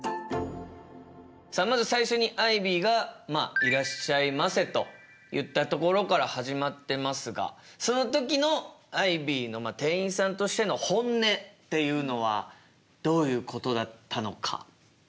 さあまず最初にアイビーが「いらっしゃいませ」と言ったところから始まってますがその時のアイビーの店員さんとしての本音っていうのはどういうことだったのか？